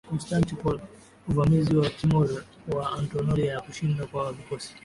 Constantinople Uvamizi wa Timur wa Anatolia na kushindwa kwa vikosi